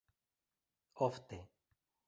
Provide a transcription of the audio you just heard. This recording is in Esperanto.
ofte